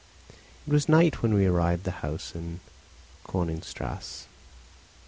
It was night when we arrived at the house in Königstrasse.